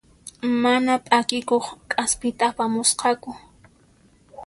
Mana p'akikuq k'aspita apamusqaku.